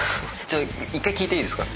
１回聞いていいですか？